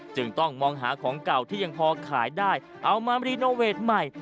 จึงต้องมองหาของเก่าที่ยังพอขายได้เอามารีโนเวทใหม่